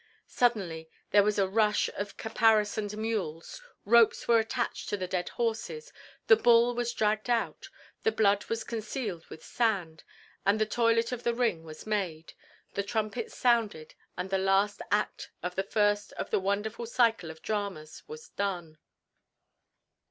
Suddenly there was a rush of caparisoned mules, ropes were attached to the dead horses, the bull was dragged out, the blood was concealed with sand, the toilet of the ring was made, the trumpets sounded and the last act of the first of the wonderful cycle of dramas was done.